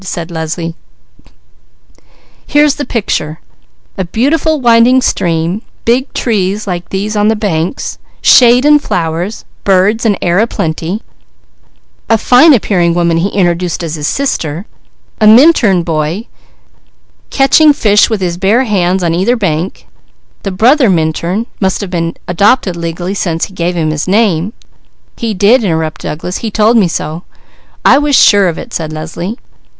said Leslie. "Here's the picture: a beautiful winding stream, big trees like these on the banks, shade and flowers, birds, and air a plenty, a fine appearing woman he introduced as his sister, a Minturn boy catching fish with his bare hands on either bank, the brother Minturn must have adopted legally, since he gave him his name " "He did," interrupted Douglas. "He told me so " "I was sure of it," said Leslie.